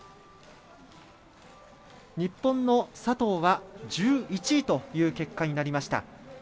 日本の佐藤は１１位という結果になりました。